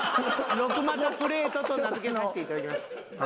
六股プレートと名付けさせて頂きました。